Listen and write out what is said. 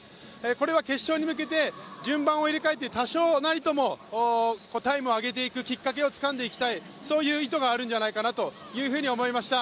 これは決勝に向けて順番を入れ替えて多少なりともタイムを上げていくきっかけをつかんでいきたい、そういう意図があるんじゃないかなと思いました。